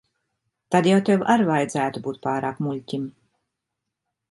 Tad jau tev ar vajadzētu būt pārāk muļķim.